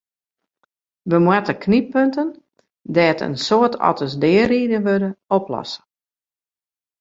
We moatte knyppunten dêr't in soad otters deariden wurde, oplosse.